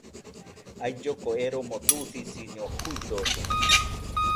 Ailloko eromo dusisiño juidode